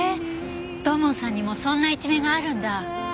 土門さんにもそんな一面があるんだ。